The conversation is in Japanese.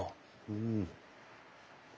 うん。